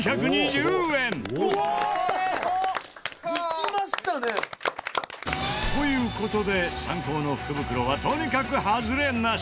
「いきましたね！」という事でサンコーの福袋はとにかくハズレなし。